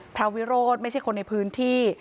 วิโรธไม่ใช่คนในพื้นที่